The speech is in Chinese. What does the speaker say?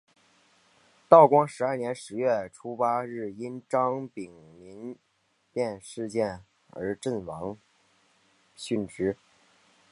道光十二年十月初八日因张丙民变事件而阵亡殉职。